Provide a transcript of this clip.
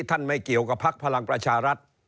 ท่านไม่เกี่ยวกับภักดิ์พลังประชารัฐ